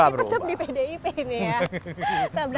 berarti tetap di pdip ini ya